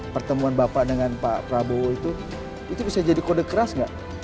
pertemuan bapak dengan pak prabowo itu itu bisa jadi kode keras nggak